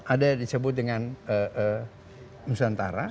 ada yang disebut dengan nusantara